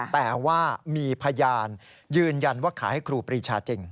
แต่ว่ามีพยานยืนยันว่าขายให้ครูปรีชาจริง